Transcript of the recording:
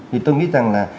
thì tôi nghĩ rằng là